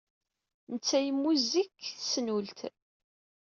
Netta yemmuzzeg deg tesnult.